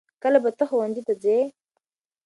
کله به ته ښوونځي ته ځې؟